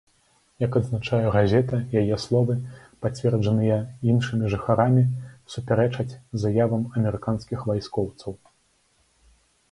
Як адзначае газета, яе словы, пацверджаныя іншымі жыхарамі, супярэчаць заявам амерыканскіх вайскоўцаў.